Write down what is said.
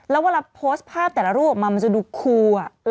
แล้วเวลาโพสต์ภาพแต่ละรูปออกมามันจะดูคู